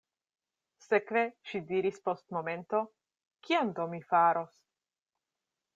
Sekve, ŝi diris post momento, kion do mi faros?